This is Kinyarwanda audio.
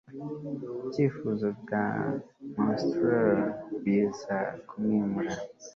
ibyifuzo bya monstrous biza kumwimura